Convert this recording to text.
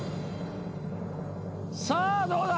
さあどうだ？